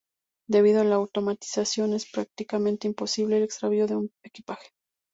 Debido a la automatización es prácticamente imposible el extravío de un equipaje.